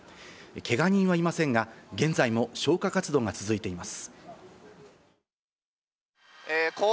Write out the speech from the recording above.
けが人はいませんが、現在も消火活動が続いています。